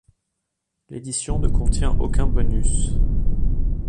L'édition ne contient aucun bonus.